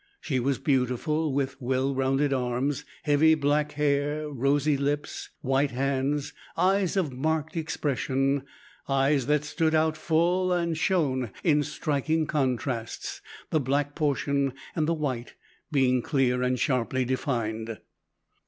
She was beautiful, with well rounded arms, heavy black hair, rosy lips, white hands, eyes of marked expression eyes that stood out full, and shone in striking contrasts, the black portion and the white being clear and sharply defined.